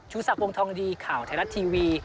ชุดศักดิ์วงธองดีข่าวไทยรัฐทีวี